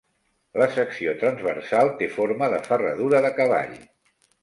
La secció transversal té forma de ferradura de cavall.